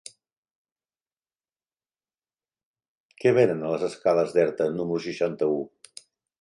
Què venen a les escales d'Erta número seixanta-u?